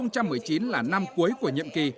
năm hai nghìn một mươi chín là năm cuối của nhiệm kỳ